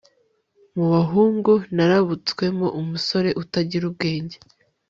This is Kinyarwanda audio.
mu bahungu narabutswemo umusore utagira ubwenge